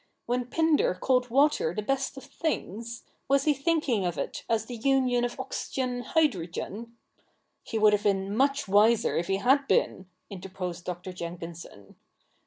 When Pindar called water the best of things, was he thinking of it as the union of oxygen and hydro gen 'He would have been much wiser if he had been,' in terposed Dr. Jenkinson.